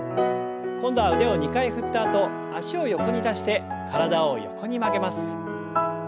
今度は腕を２回振ったあと脚を横に出して体を横に曲げます。